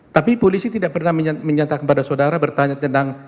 tapi polisi tidak pernah menyatakan kepada saudara bertanya tentang